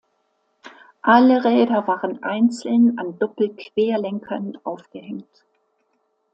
Alle Räder waren einzeln an Doppelquerlenkern aufgehängt.